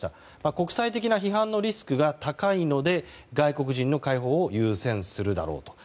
国際的な批判のリスクが高いので外国人の解放を優先するだろう。